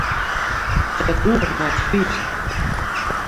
Set oer nei it Frysk.